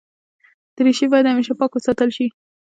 دریشي باید همېشه پاک وساتل شي.